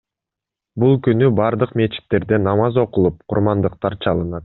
Бул күнү бардык мечиттерде намаз окулуп, курмандыктар чалынат.